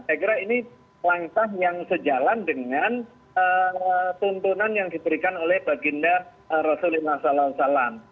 saya kira ini langkah yang sejalan dengan tuntunan yang diberikan oleh baginda rasulullah saw